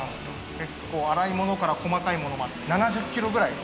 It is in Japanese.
結構粗いものから細かいものまで７０ｋｇぐらい。